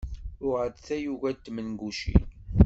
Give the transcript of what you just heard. Uɣeɣ-d tayuga n tmengucin.